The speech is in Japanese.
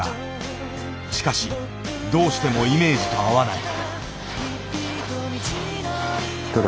しかしどうしてもイメージと合わない。